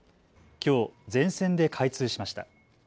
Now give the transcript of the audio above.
きょう全線で開通しました。